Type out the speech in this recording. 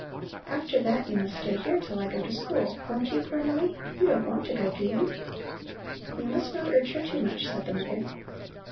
After that you must stay here till I go to school; won't you, Cornelli? You don't want to go, do you?" "You must not urge her too much," said the mother.